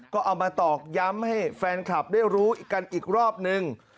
ก็เอามาตอกย้ำให้แฟนคลับได้รู้กันอีกรอบนึง